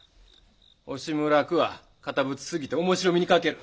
惜しむらくは堅物すぎて面白みに欠ける。